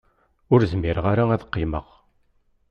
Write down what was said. Ur zmireɣ ara ad qqimeɣ.